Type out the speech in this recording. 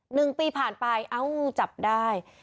หนึ่งปีผ่านไปเอ้าจับได้